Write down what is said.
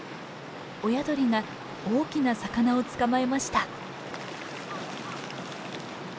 親鳥が大きな魚を捕まえました。